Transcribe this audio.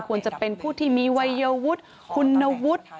จะเป็นผู้ที่มีวัยวุฒิคุณวุฒิ